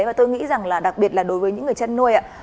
và tôi nghĩ rằng là đặc biệt là đối với những người chăn nuôi ạ